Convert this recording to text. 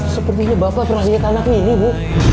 sepertinya bapak perahinan anak ini bu